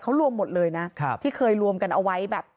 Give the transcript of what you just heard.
เขารวมหมดเลยนะที่เคยรวมกันเอาไว้แบบ